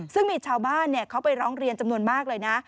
ซึ่งมีชาวบ้านเขาไปร้องเรียนจำนวนมากเลยนะ